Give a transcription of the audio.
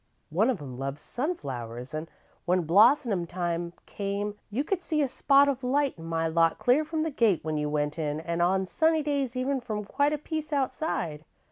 One of 'em loved sunflowers, an' when blossomin' time come, you could see a spot of light in my lot clear from the gate when you went in, an' on sunny days even from quite a piece outside.